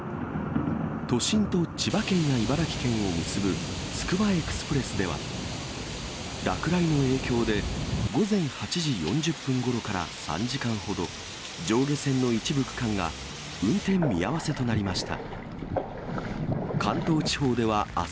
都心と千葉県や茨城県を結ぶつくばエクスプレスでは、落雷の影響で午前８時４０分ごろから３時間ほど、上下線の一部区間が運転見合わせとなりました。